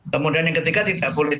kemudian yang ketiga tidak boleh